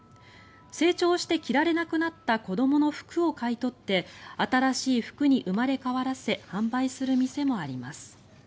成長して着られなくなった子どもの服を買い取って新しい服に生まれ変わらせ販売する店もあります。